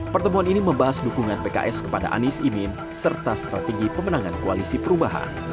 pertemuan ini membahas dukungan pks kepada anies imin serta strategi pemenangan koalisi perubahan